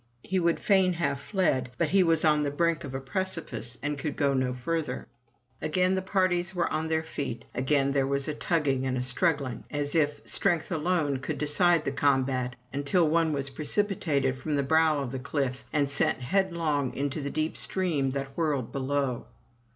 He would fain have fled, but he was on the brink of a precipice, and could go no further. 145 MY BOOK HOUSE Again the parties were on their feet; again there was a tugging and struggling, as if strength alone could decide the combat, until one was precipitated from the brow of the cliff, and sent headlong into the deep stream that whirled below.